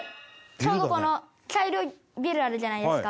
ちょうどこの茶色いビルあるじゃないですか。